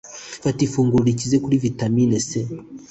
Fata ifunguro rikize kuri vitamini c .